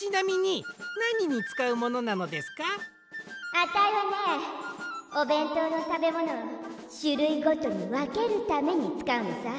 あたいはねおべんとうのたべものをしゅるいごとにわけるためにつかうのさ。